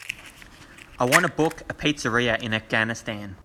I want to book a pizzeria in Afghanistan.